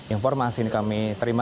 informasi ini kami terima